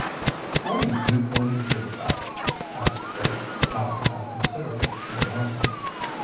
"What are you going to do about it?" asked Dick, not without considerable curiosity.